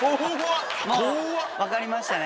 分かりましたね？